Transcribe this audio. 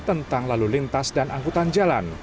tentang lalu lintas dan angkutan jalan